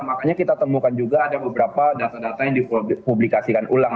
makanya kita temukan juga ada beberapa data data yang dipublikasikan ulang